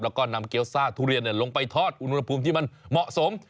แล้วก็นำเกี้ยวซ่าทุเรียนลงไปทอดอุณหภูมิที่มันเหมาะสม